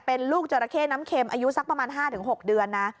เป็นลูกจราเข้น้ำเข็มอายุสักประมาณ๕๖เดือนนะ